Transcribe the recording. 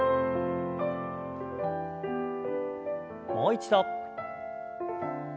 もう一度。